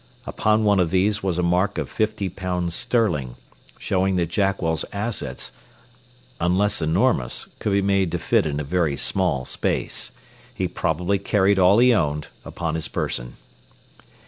Upon one of these was a mark of fifty pounds sterling, showing that Jackwell's assets, unless enormous, could be made to fit in a very small space. He probably carried all he owned upon his person.